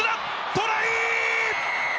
トライ！